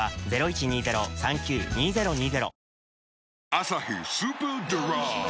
「アサヒスーパードライ」